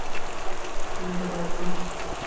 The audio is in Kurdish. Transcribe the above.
Em dibezin.